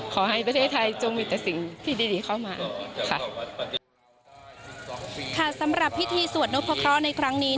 ขอให้ประเทศไทยจงมีแต่สิ่งที่ดีเข้ามาค่ะ